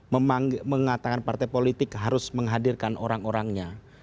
mengatakan partai politik harus menghadirkan orang orangnya